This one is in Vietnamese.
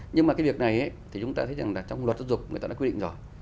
nhưng mà cái việc này thì chúng ta thấy rằng là trong luật giáo dục người ta đã quy định rồi